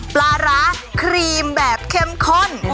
ปลาร้าครีมแบบเข้มข้น